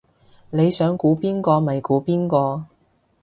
你想估邊個咪估邊個